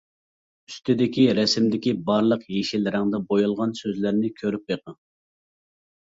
ئۈستىدىكى رەسىمدىكى بارلىق يېشىل رەڭدە بويالغان سۆزلەرنى كۆرۈپ بېقىڭ.